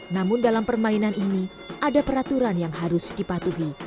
namun dalam permainan ini ada peraturan yang harus dipatuhi